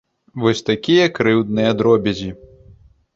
Вось такія крыўдныя дробязі.